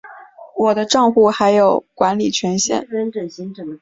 我的帐户还有管理权限